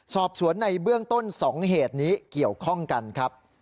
สอบสวนในเบื้องต้น๒เหตุนี้เกี่ยวข้องกันครับ